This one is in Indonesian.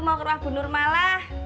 mau ke rumah bu nur malah